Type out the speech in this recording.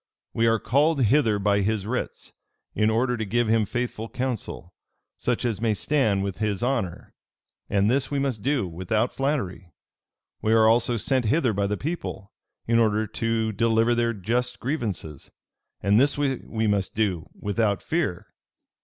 We are called hither by his writs, in order to give him faithful counsel; such as may stand with his honor: and this we must do without flattery. We are also sent hither by the people, in order to deliver their just grievances: and this we must do without fear.